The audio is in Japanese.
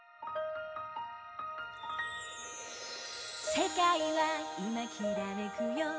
「世界はいまきらめくよ」